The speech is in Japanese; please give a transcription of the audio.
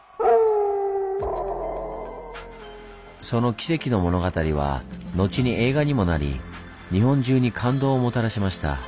その奇跡の物語は後に映画にもなり日本中に感動をもたらしました。